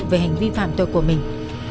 về hành vi phạm tội của mình